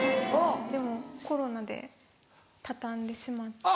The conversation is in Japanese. でもコロナで畳んでしまって。